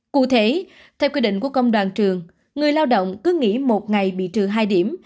cụ thể theo quy định của công đoàn trường người lao động cứ nghỉ một ngày bị trừ hai điểm